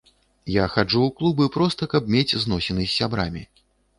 Я хаджу ў клубы проста каб мець зносіны з сябрамі.